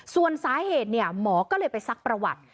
ส่วนสาเหตุหมอก็เลยไปซักประวัติ